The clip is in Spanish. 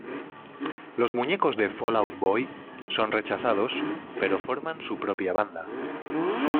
Los muñecos de Fall Out Boy son rechazados pero forman su propia banda.